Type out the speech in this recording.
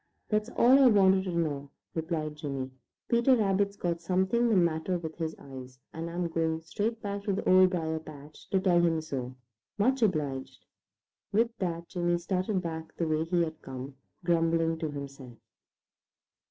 "That's all I want to know," replied Jimmy. "Peter Rabbit's got something the matter with his eyes, and I'm going straight back to the Old Briar patch to tell him so. Much obliged." With that Jimmy started back the way he had come, grumbling to himself.